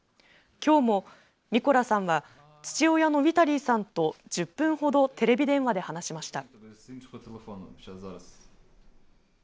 きょうもミコラさんは父親のウィタリィーさんと１０分ほどテレビ電話で話しました。